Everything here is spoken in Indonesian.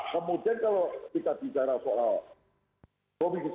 kemudian kalau kita bicara soal komisi satu kenapa dikawal oleh kol